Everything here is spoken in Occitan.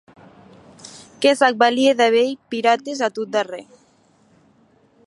Que s'ac valie de vier pirates, a tot darrèr.